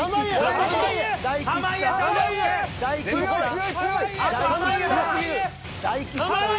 強い強い強い！